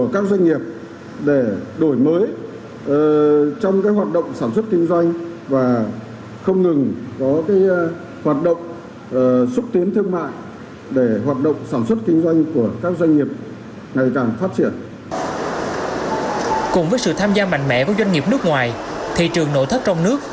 cùng với sự tham gia mạnh mẽ của doanh nghiệp nước ngoài thị trường nội thất trong nước